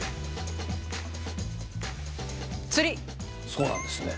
そうなんですね。